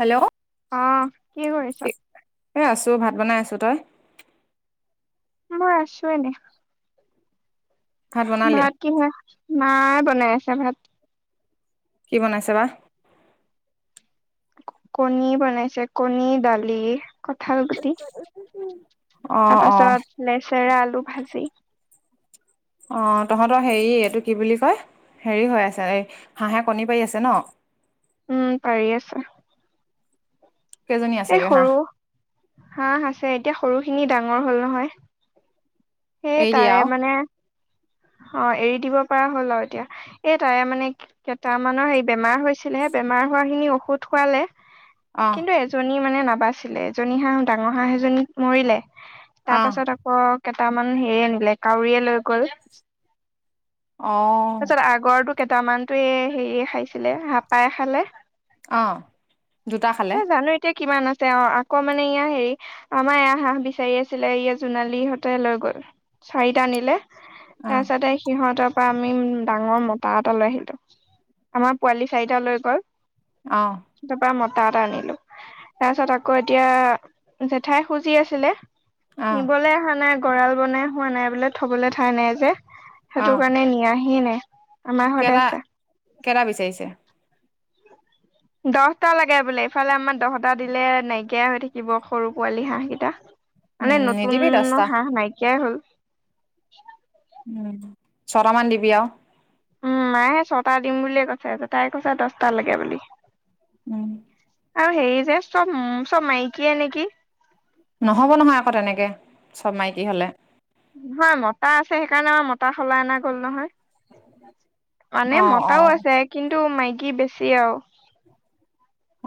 Hello? আহ কি কৰিছ? এ, আছো ভাত বনাই আছো তই? মই আছো এনে। ভাত কি হয়, মায়ে বনাই আছে ভাত। কি বনাইছে বা। কণী বনাইছে কণী, দালি, কঠাল গুটি অ তাৰ অ পাছত লেচেৰা, আলু ভাজি অ, তহঁতৰ হেৰি এইটো কি বুলি কয়। হেৰি হৈ আছে, এই হাঁহে কণী পাৰি আছে ন। উম, পাৰি আছে। কেইজনী এ, আছেগে হাঁহ সৰু হাহ আছে। এতিয়া সৰু খিনি ডাঙৰ হ'ল নহয়। সেই, এৰি দিয়ে তাৰে আৰু মানে অ, এৰি দি'ব পৰা হ'ল আৰু এতিয়া এই তাই মানে কেইটামানৰ হেৰি বেমাৰ হৈছিলেহে। বেমাৰ হোৱাখিনি ঔষধ খোৱালে। অ কিন্তু এজনী মানে নাবাচিলে এজনী হাঁহ ডাঙৰ হাঁহ এজনী মৰিলে। অ তাৰ পাছত আকৌ কেইটামান হেৰি আনিলে কাউৰীয়ে লৈ গ'ল। অ তাৰ পিছত আগৰো কেইটামানতে হেৰিয় খাইছিলে হাপাই খালে। অ'। দুটা খালে আচছা জানো এতিয়া কিমান আছে? তেওঁ আকৌ মানে ইয়া হেৰি আমাৰ এ, হাঁহ বিচাৰি আছিলে ইয় জোনালী হঁতে লৈ গ'ল। চাৰিটা নিলে অ তাৰ পিছতে সিহঁতক। ত, পৰা আমি ডাঙৰ মতা এটা লৈ আহিলো আমাৰ পোৱালি চাৰিটা লৈ গ'ল। অ তাৰাপা মতা তাত আনিলো। তাৰপিছত আকৌ এতিয়া জেঠাই খুজি আছিলে। অ নিবলৈ অহা নাই গঁৰাল বনাই হোৱা নাই বোলে থবলৈ ঠাই নাই, যে। সেইটো কাৰণে নিয়াহিয় নাই। আমাৰ ঘৰতে কেৰা, আছে কেৰা বিচাৰিছে। দহটা লাগে বোলে ইফালে আমাৰ দহটা দিলে নাইকিয়া হৈ থাকিব সৰু পোৱালি হাঁহ কেইটা। মানে উম নতুন নিদিবি দছটা হাঁহ নাইকিয়াই হ'ল। উম, ছটামান দিবি আৰু। উম, মায়ে ছটা দিম বুলিয়ে কৈছে, তাই কৈছে দছটা লাগে বুলি। উম। আৰু হেৰি যে চব চব মাইকীয়ে নেকি। নহ'ব নহয় আকৌ তেনেকে চব মাইকী হ'লে। নহয় মতা আছে সেইকাৰণে আমাৰ মতা সলাই অনা গ'ল নহয়। অ মানে অ মতাও আছে কিন্তু টো মাইকি বেছি আৰু।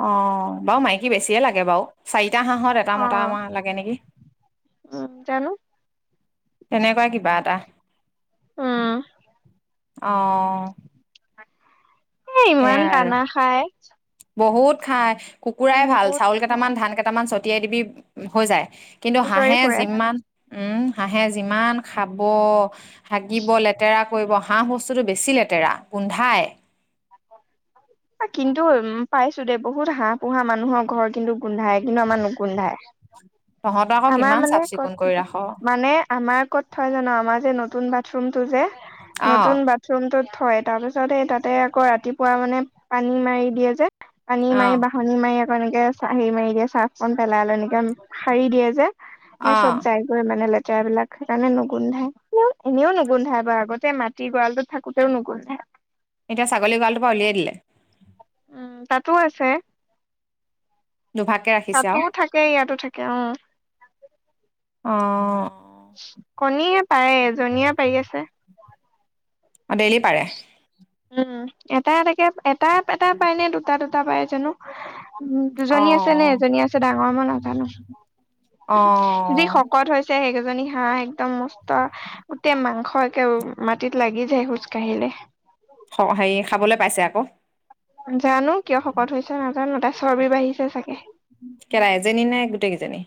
অ' বাৰু মাইকী বেছিয়ে লাগে বাৰু, চাৰিটা হাঁহত এটা অ মতামাহ লাগে নেকি। উম, জানো। তেনেকুৱা কিবা এটা। উম অ'। এ, ইমান সেয়াই আৰু দানা খায়। বহুত খাই। কুকুৰাই ভাল চাউল খাই কেইটামান ধান কেইটামান ছটিয়াই দিবি হৈ যায়। কিন্তু খুচৰি হাঁহে ফুৰে। যিমান উম, হাঁহে যিমান খাব। হাগিব লেতেৰা কৰিব, হাঁহ বস্তুটো বেছি লেতেৰা গোন্ধাই। কিন্তু উ, পাইছোঁ দে, বহুত হাঁহ পোহা মানুহৰ ঘৰ কিন্তু গোন্ধাই কিন্তু আমাৰ নুগোন্ধাই। তহঁতৰ আকৌ আমাৰ কিমান মানে চাফ ক'ত চিকুণ কৰি থাকে, ৰাখ মানে আমাৰ ক'ত থয় জান' আমাৰ যে নতু তুন বাথৰুমটো যে অ', নতুন বাথৰুমটোত থয় তাৰ পিছত এই তাতে আকৌ ৰাতিপুৱা মানে পানী মাৰি দিয়ে যে। পানী অ', মাৰি বাহনী মাৰি আকৌ এনেকে চাহী মাৰি দিয়ে, চাৰ্ফকণ পেলাই লই এনেকে সাৰি দিয়ে যে। নে চব অ', জায়গৈ মানে লে লেতেৰাবিলাক, সেইকাৰণে নুগোন্ধাই, এনেও নুগোন্ধাই বাৰু আগতে মাটি ভঁৰালটোত থাকোতেও নুগোন্ধাই। এতিয়া ছাগলী ভঁৰালটোৰপৰা উলিয়াই দিলে। উম, তাতো আছে। দুভাগকে ৰাখিছে তাতো আৰু থাকে ইয়াতো থাকে অ'। অ'। কণীয়ে পাৰে, এজনীয়ে পাৰি আছে। অ' ডেইলি পাৰে? উম, এটা এটাকে এটা এটা পায় নে দুটা দুটা পায় জানো। উম, অ দুজনী আছে নে এজনী আছে ডাঙৰ মই নাজানো। অ যি শকত হৈছে সেই দুজনী হাঁহ একদম মষ্ট, গোটেই মাংস একে মাটিত লাগি যায় খোজ কাঢ়িলে। খ হেৰি খাবলৈ পাইছে আকৌ। জানো কিয় শকত হৈছে নাজানো, তাই চৰ্বি বাঢ়িছে চাগে। কেৰা এজনী নে গোটেইকেইজনী?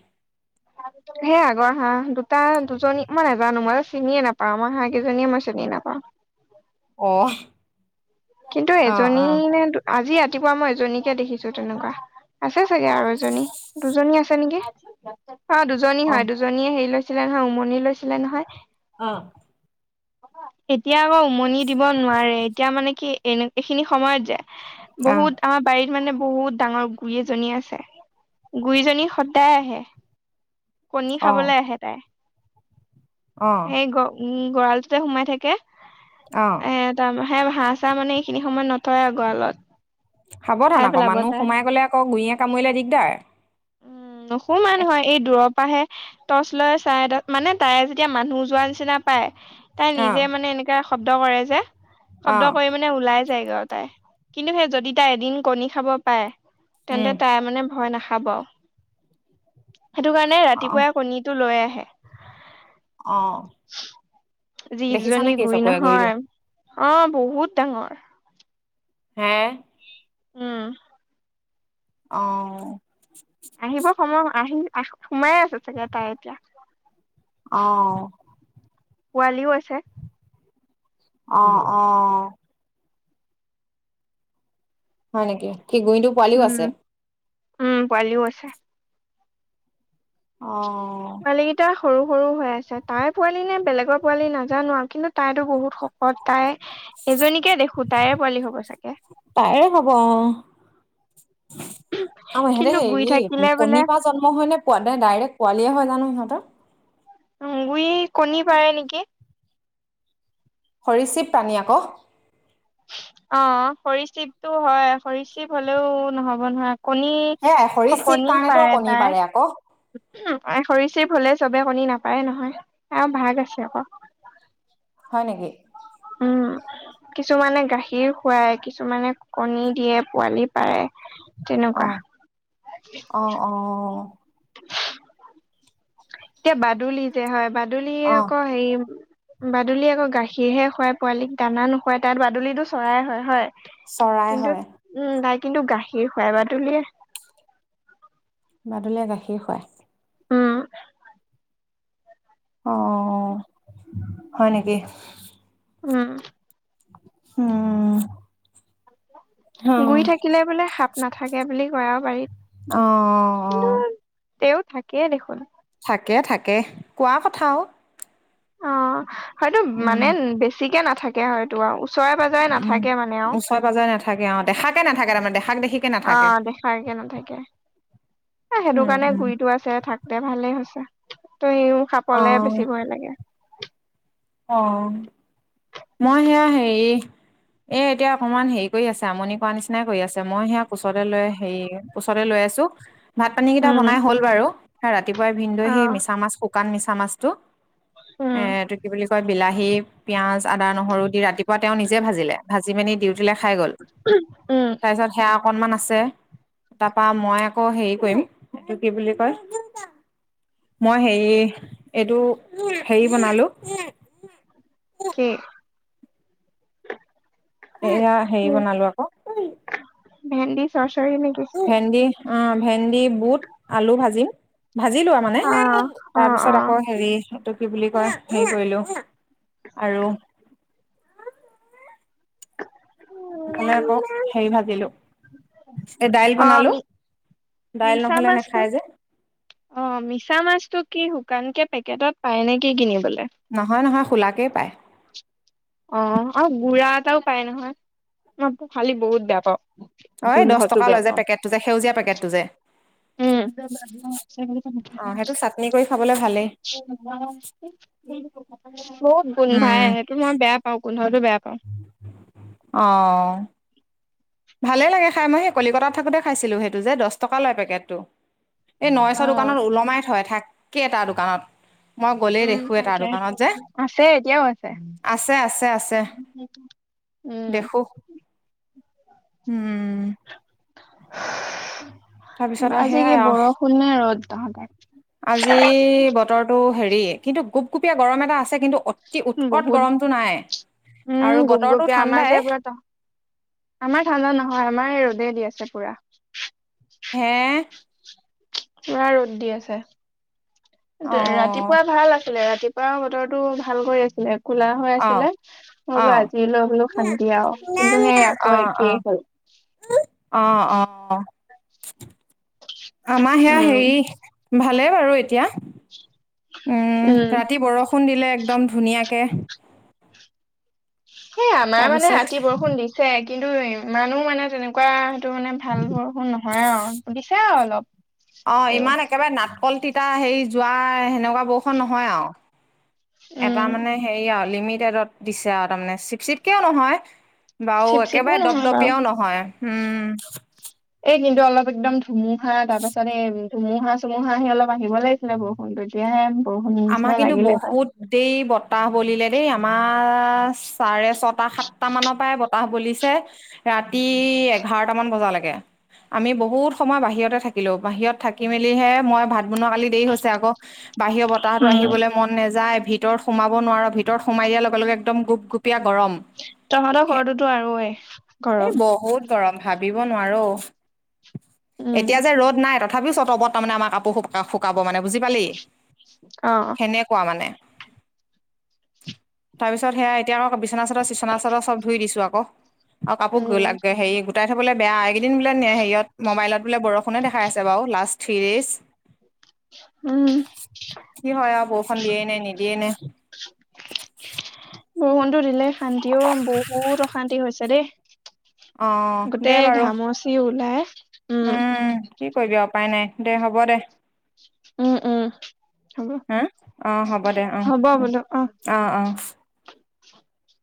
সেই আগৰ হাঁহ দুটা, দুজনী মই নোজানো, মই চিনিয়ে নাপাও। আমাৰ হাঁহ কেইজনীয়ে মই চিনিয়ে নাপাওঁ। অ'। কিন্তু অ এজনী অ নে আজি ৰাতিপুৱা মই এজনীকে দেখিছোঁ তেনেকুৱা। আছে চাগে আৰু এজনী, দুজনী আছে নেকি। অ' দুজনী অ হয় দুজনীয়ে হেৰি লৈছিলে নহয় উমনি লৈছিলে নহয়। অ'। এতিয়া আকৌ উমনি দিব নোৱাৰে, এতিয়া মানে কি এনে এইখিনি সময়ত যে আহ বহুত আমাৰ বাৰিত মানে বহুত ডাঙৰ গুৰি এজনী আছে, গুৰিজনী সদায় আহে। কণী অ খাবলৈ আহে তাই। অ অ সেই গ-গঁৰালটোতে সোমাই থাকে। অ'। হে ভা চা মানে এইখিনি সময়ত নথয় আ, গলত। সাৱধান আকৌ মানুহ সোমাই গ'লে আকৌ গুৰিয়ে কামুৰিলে দিগদাৰ। উম, নুসু মমান নহয়, এই দূৰৱ টৰ্চ লৈ ছাইদত মানে তাই যেতিয়া মানুহ যোৱা নিচিনা পায়। তাই অ নিজে মানে এনেকাে শব্দ কৰে যে অ শব্দ কৰি মানে ওলাই। গা, তাই কিন্তু সেই যদি তাই এদিন কণী খা'ব পাৰে, উম তেন্তে তাই খাবা সেইটো কাৰণে অ ৰাতিপুৱাই কণীটো লৈ আহে। অ য, দেখিছ ইজনী নেকি গুৰি চকুৰে গুৰিটো নহয়। অ, বহুত ডাঙৰ। হা। উম। অ'। আহিব সময় আহি সোমাই আছে চাগে তাই এতিয়া। অ'। পোৱালীও আছে। অ', অ'। হয়, নেকি সি গুৰিটো পোৱালিও উম আছে। উম, পোৱালিও আছে। অ'। [unintelligible] সৰু, সৰু হৈ আছে, তাইৰ পোৱালি নে, বেলেগৰ পোৱালি নাজানো আৰু কিন্তু তাইতো বহুত শকত তাই এজনীকে দেখো তাই পোৱালি হ'ব চাগে। তাইৰে হ'ব অ অ', হেঁতে কিন্তু গুৰি হেৰি থাকিলে বোলে কণীৰ পৰা জন্ম হয় নে ডাইৰেক্ট পোৱালিয়ে হয় জানো সিহঁত [inaudible] গুৰি কণী পাৰে নেকি? হৰিশিৱ প্ৰাণীয়ে আ, ক অ, হৰি শিৱতটো হয় হৰি শিৱ হলেও নহ'ব নোৱাৰ। শকনি, সেয়াই সৰীসৃপ শকনি কাৰণেতো পাৰে কণী আকৌ তাই খৰি চি ভুললে চবে কণী নাপায়, নহয় আৰু ভাগ আছে আকৌ। হয়ানকে উম। কিছুমানে গাখীৰ খুৱায়। কিছুমানে কণী দিয়ে, পোৱালি পাৰে। অ তেনেকুৱা। অ অ এতিয়া বাদুলি যে হয়, বাদুলিয় অ আকৌ হেৰি বাদুলিয়ে আকৌ গাখীৰহে খুৱাই, পোৱালিকক দানা নোখুৱাই তাত বাদুলুলিটো চৰাই হয়, হয়। চৰাই কিন্তু হয়। উম তাই কিন্তু গাখীৰ খুৱাই বা তুলিয়ে। মাদুলীয়ে গাখীৰ খুৱাই। উম। অ, হয় নেকি। উম। উম। অ গুৰি থাকিলে বোলে সাপ নাথাকে বুলি কয় আৰু বাৰীত। অ', অ', কিন্তু অ'। তেওঁ থাকেই দেখোন। তাকে থাকে, কোৱা কথাও। অ, হয়তটো মানে বেছিকে নাথাকে হয়তো। ও, চৰে পজৰে উম নাথাকে মানে আৰু ওচৰে পাজৰে নাথাকে অ দেখাকে নাথাকে তাৰমানে দেখাক দেখিকে অ, নাথাকে দেখাগে। নাথাকে। [unintelligible] সেইটো উম কাৰণে উম গুৰিতো আছে, থাকতে ভালে হৈছে। টো সিও অ সাপলে বেছি ভয় লাগে। অ মই সেয়া হেৰি। এ এতিয়া অকণমান হেৰি কৰি আছে আমনি কৰা নিচিনাই কৰি আছে মই সেয়া কোচতে লৈ হেৰি কোচতে লৈ। লৈ আছোঁ। ভাত পানীকেইটা উম বনাই হ'ল বাৰু ৰাতিপুৱাই ভিনদেই অ সেই মিছা মাছ শুকান মিছা মাছটো। এ উম এইটো কি বুলি কয় বিলাহী পিয়াজ। আদা নহৰু দি ৰাতিপুৱা তেওঁ নিজে ভাজিলে ভাজি মিনি ডিউটিলৈ খাই গ'ল উম তাৰপিছত সেয়া। অকণমান আছে তাৰাপৰা মই আকৌ হেৰি কৰিম এইটো কি বুলি কয়। মই হেৰি এইটো হেৰি বনালো। কি। [unintelligible] এয়া হেৰি বনালো আকৌ। ভেন্দী চৰচৰী নেকি। ভেন্দি অ ভে ভেন্দি বুট আলু ভাজিম ভাজি লোৱা মানে অ অ তাৰ অ পিছত আকৌ হেৰি এইটো। কি বুলি কয় হেৰি কৰিলোঁ আৰু। [unintelligible] হেৰি ভাজিলো এই দাইল অ বনালো। মি দাইল মিছা নহ'লে মাছটো নাখায় যে অ মিছা মাছটো কি শু কাণ কে পেকেটত পায় নেকি কিনিবলৈ। নহয় নহয় খোলাকেই পায়। অ আৰু গুঢ়া এটাও পায় নহয় মই খালি বহুত বেয়া পাওঁ। অ এই দহ গোন্ধটো টকা বেয়া লয় যে পেকেটটো যে সেউজীয়া পেকেটটো যে। উম। [unintelligible] অ সেইটো চাটনি কৰি খাবলৈ ভালেই [unintelligible] বহুত গোন্ধাই উম সেইটো মই বেয়া পাওঁ গোন্ধটো বেয়া পাওঁ। অহ। ভালে লাগে খাই মই সেই কলিকতাত থাকোঁতে খাইছিলোঁ সেইটো যে দহ টকা লয় পেকেটটো। এই নৰেশৰ অ', দোকানত ওলমাই থয় থাকে তাৰ দোকানত। মই গ'লেই উম দেখো তাৰ থাকে দোকানত যে আছে এতিয়াও আছে। আছে আছে আছে। উম দেখোঁ উম। তাৰপিছত আৰু আজি সেয়াই কি আৰু বৰষুণ নে ৰ'দ তহঁতৰ। [unintelligible] গুপগুপীয়া গৰম এটা আছে কিন্তু অতি উৎকট বহুত গৰমটো নাই। আৰু উম বতৰটো গুপগুপিয়া আমাৰ ঠাণ্ডাই যে পুৰা [inaudible] আমাৰ ঠাণ্ডা নহয় আমাৰ ৰ'দে দিয়ে। [unintelligible] পুৰা। হে। পুৰা ৰ'দ দি আছে অ ৰাতিপুৱা ভাল আছি ছিলে ৰাতিপুৱাও বতৰটো ভাল কৰি আছিলে। কলা হৈ অ আছিলে মই অ বোলো আজিলৈ বোলো শান্তি আৰু কিন্তু সেই অ আকৌ একেই হ'ল। অ অ অ। আমাৰ সেয়া উম হেৰি ভালে বাৰু এতিয়া। [inaudible] উম ৰাতি বৰষুণ দিলে একদম ধুনীয়াকে। সেই আমাৰ মানে তাৰপিছত ৰাতি বৰষুণ দিছে কিন্তু ইমানো মানে তেনেকুৱা। টো মানে ভাল বৰষুন নহয় আৰু দিছে আৰু অলপ। অ তেও ইমান একেবাৰে নাটকল তিতা হেৰি যোৱা সেনেকুৱা বৰষুণ নহয় আৰু। এটা উম মানে হেৰি আৰু লিমিটেডত দিছে আৰু তাৰমানে চিপ চিপকেও নহয়। বাৰু চিপ চিপো একেবাৰে দপ নহয় বাৰু দপীয়াও নহয় হম। কিন্তু অলপ একদম ধুমুহা তাৰ পাছত এই ধুমুহা চুমুহা আহি অলপ আহিব লাগিছিলে বৰষুণ তেতিয়াহে। বৰষুণ আমাৰ নিচিনা কিন্তু লাগিলে হয় বহুত দেৰি বতাহ বলিলে দেই আমাৰ। চাৰে ছটা সাতটা মানৰ পৰাই বতাহ বলিছে ৰাতি এঘাৰটা মান বজালৈকে। আমি বহুত সময় বাহিৰতে থাকিলো বাহিৰত থাকি মেলিহে মই ভাত বনোৱা কালি দেৰি হৈছে আকৌ। বাহিৰৰ বতাহটো উম আহিবলৈ মন নাযায় ভিতৰত সোমাব নোৱাৰো ভিতৰত সোমাই দিয়াৰ লগে লগে একদম গুপ গুপ গুপ গুপীয়া গৰম তহঁতৰ ঘৰটোতো আৰু এ এই গৰম বহুত গৰম ভাবিব নোৱাৰো উম এতিয়া যে ৰ'দ নাই তাত তথাপি চত ওপৰত তাৰমানে আমাৰ কাপোৰ শু শুকাব মানে বুজি পালি। অ সেনেকুৱা মানে তাৰপিছত সেয়া এতিয়া আকৌ বিচনা চাদৰ চিচনা চাদৰ চব ধই দিছো আকৌ আৰু উম কাপোৰ হেৰি গোটাই থবলৈ বেয়া এইকেইদিন বোলে নিয় হেৰিয়ত মোবাইলত বোলে বৰষুণে দেখাই আছে বাৰু লাষ্ট থ্ৰী এইজ। উম। হয় আৰু বৰষুখন দিয়ে নাই নিদিয়ে নে। বৰষুণটো দিলে শান্তি ও বহুত অশান্তি হৈছে দেই। অ দে গোটেই বাৰু ঘামচি ওলাই। উম কি কৰিবি উপায় নাই দে হ'ব দে। উম উম হ'ব হা অ হ'ব দে অ হ'ব বোলো অহ। অ অ [inaudible]